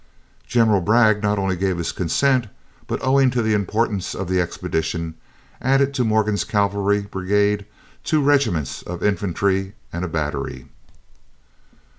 General Bragg not only gave his consent, but owing to the importance of the expedition, added to Morgan's cavalry brigade two regiments of infantry and a battery.